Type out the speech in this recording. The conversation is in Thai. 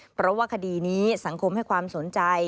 เพราะว่าคดีนี้สังคมให้ความสนใจ